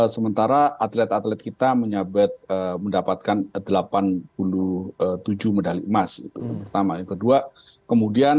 sementara atlet atlet kita menyabet mendapatkan delapan puluh tujuh medali emas itu pertama yang kedua kemudian